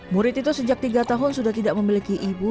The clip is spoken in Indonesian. murid itu sejak tiga tahun sudah tidak memiliki ibu